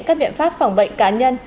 các biện pháp phòng bệnh cá nhân